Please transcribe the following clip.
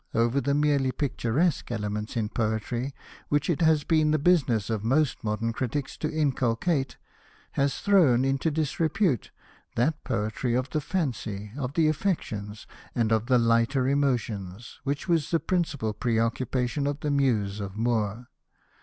er the merely picturesque elements in poetry, which it has been the business of most modern critics to inculcate, has thrown into disrepute that poetry of the fancy, of the affections, and of the lighter emotions, which was the principal preoccupation of the muse of Moore.